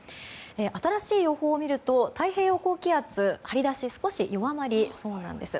新しい予報を見ると太平洋高気圧の張り出しが少し弱まりそうなんです。